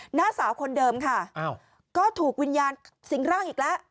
หน้าสาวคนเดิมค่ะก็ถูกวิญญาณสิงร่างอีกแล้ว